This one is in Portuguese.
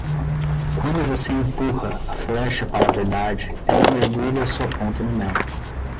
Quando você empurra a flecha para a verdade, ela mergulha sua ponta no mel.